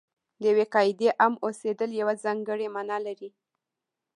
د یوې قاعدې عام اوسېدل یوه ځانګړې معنا لري.